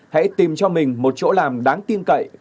hãy tìm cho mình một chỗ làm đáng tin cậy